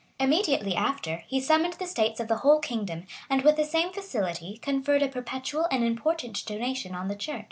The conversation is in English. Immediately after, he summoned the states of the whole kingdom, and with the same facility conferred a perpetual and important donation on the church.